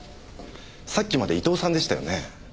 さっきまで伊藤さんでしたよね？